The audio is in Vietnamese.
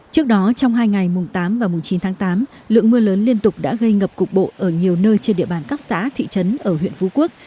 trước đó trong hai ngày mùng tám và mùng chín tháng tám lượng mưa lớn liên tục đã gây ngập cục bộ ở nhiều nơi trên địa bàn các xã thị trấn ở huyện phú quốc